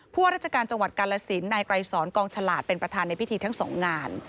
ว่าราชการจังหวัดกาลสินนายไกรสอนกองฉลาดเป็นประธานในพิธีทั้งสองงาน